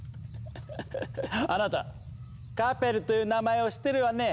フフフフあなた「カペル」という名前を知ってるわね？